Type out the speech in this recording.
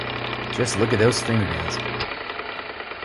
Just look at those fingernails!